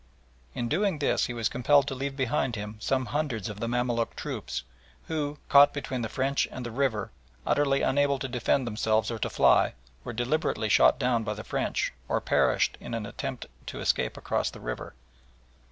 In doing this he was compelled to leave behind him some hundreds of the Mamaluk troops who, caught between the French and the river, utterly unable to defend themselves or to fly, were deliberately shot down by the French or perished in an attempt to escape across the river.